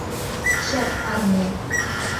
Шәп армия.